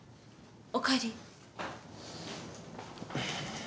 おかえり。